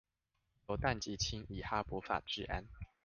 由氮及氫以哈柏法製氨